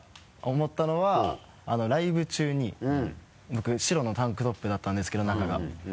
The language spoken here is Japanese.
思ったのはライブ中に僕白のタンクトップだったんですけど中が。